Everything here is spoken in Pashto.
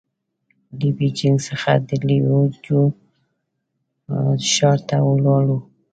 له بېجينګ څخه د ليوجو ښار ته ولاړو.